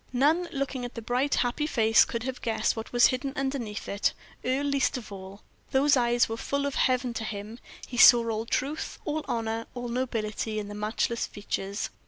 None, looking at the bright, happy face, could have guessed what was hidden underneath it Earle least of all. Those eyes were full of heaven to him; he saw all truth, all honor, all nobility in the matchless features.